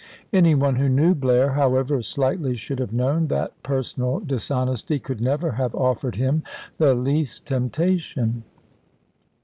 Any one who knew Blair, however slightly, should have known that personal dishonesty could never have offered him the least temptation.